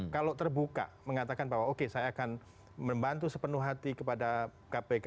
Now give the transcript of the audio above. kalau terbuka mengatakan bahwa oke saya akan membantu sepenuh hati kepada kpk